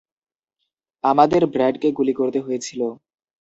আমাদের ব্র্যাডকে গুলি করতে হয়েছিল।